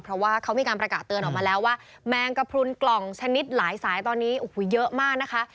เพราะว่าเขามีการประกาศเตือนออกมาแล้วว่าแมงกระพรุนกล่องชนิดหลายสายตอนนี้โอ้โหเยอะมากนะคะ